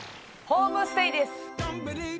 「ホームステイ」です